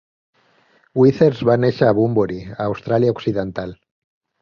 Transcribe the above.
Withers va néixer a Bunbury, a Austràlia Occidental.